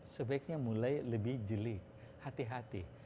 sebaiknya mulai lebih jeli hati hati